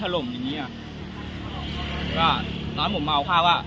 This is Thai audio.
ตอนผมเอาข้าวอะ